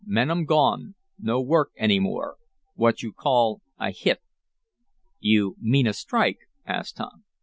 "Men um gone. No work any more. What you call a hit." "You mean a strike?" asked Tom.